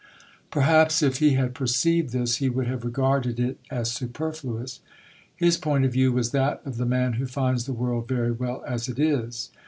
Perhaps, if he had perceived this, he would have regarded it as superfluous. His point of view was that of the man who finds the world very well as it is.